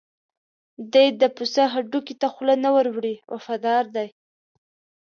دی د پسه هډوکي ته خوله نه ور وړي وفادار دی.